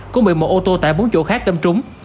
cũng bị một ô tô tải bốn chỗ khác đâm trúng